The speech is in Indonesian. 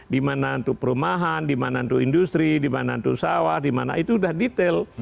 di mana itu perumahan di mana itu industri di mana itu sawah di mana itu udah detail